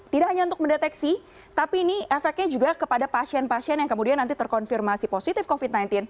tidak hanya untuk mendeteksi tapi ini efeknya juga kepada pasien pasien yang kemudian nanti terkonfirmasi positif covid sembilan belas